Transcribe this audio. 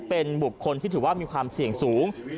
เป็นบุคคลที่ถือว่ามีความเสี่ยงสูง